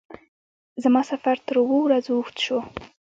زما سفر تر اوو ورځو اوږد شو.